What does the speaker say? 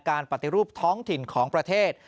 ปฏิรูปท้องถิ่นของประเทศ